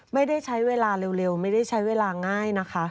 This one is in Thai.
ไม่ได้ใช้เวลาเร็วไม่ได้ใช้เวลาง่ายนะคะ